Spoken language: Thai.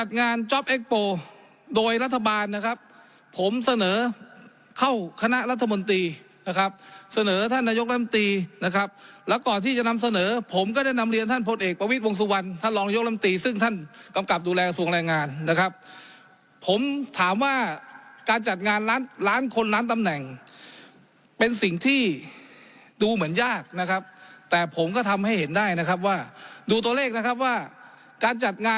โดยรัฐบาลนะครับผมเสนอเข้าคณะรัฐมนตรีนะครับเสนอท่านนายกลำตีนะครับแล้วก่อนที่จะนำเสนอผมก็ได้นำเรียนท่านพลเอกประวิทย์วงสุวรรณท่านรองยกรรมตีซึ่งท่านกำกับดูแลกระทรวงแรงงานนะครับผมถามว่าการจัดงานล้านล้านคนล้านตำแหน่งเป็นสิ่งที่ดูเหมือนยากนะครับแต่ผมก็ทำให้เห็นได้นะครับว่าดูตัวเลขนะครับว่าการจัดง